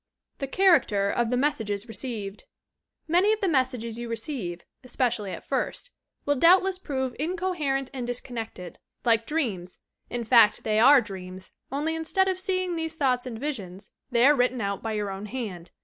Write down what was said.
'" THE CHARACTER OF THE MESSAGES RECEIVED Many of the messages you receive, especially at first, will doubtless prove incoherent and disconnected, like dreams; in fact they arc dreams, only instead of seeing these thoughts in visions, they are written out by your own hand.